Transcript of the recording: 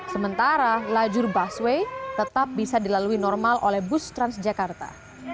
sementara lajur busway tetap bisa dilalui normal oleh bus transjakarta